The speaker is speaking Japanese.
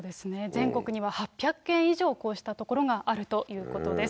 全国には８００件以上、こうした所があるということです。